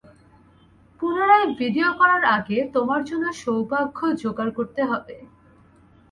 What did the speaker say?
পুনরায় ভিডিও করার আগে, তোমার জন্য সৌভাগ্য জোগাড় করতে হবে।